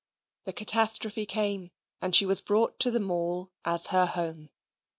The catastrophe came, and she was brought to the Mall as to her home.